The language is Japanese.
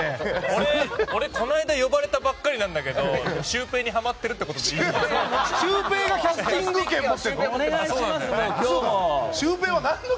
俺、この間呼ばれたばっかりなんだけどシュウペイにハマってるってことでいいの？